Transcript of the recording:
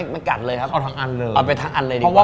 มันกัดเลยครับเอาทั้งอันเลยเอาไปทั้งอันเลยดีกว่า